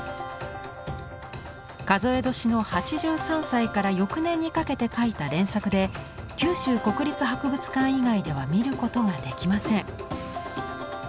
数え年の８３歳から翌年にかけて描いた連作で九州国立博物館以外では見ることができません。